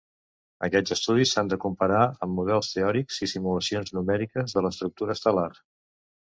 Aquests estudis s'han de comparar amb models teòrics i simulacions numèriques de l'estructura estel·lar.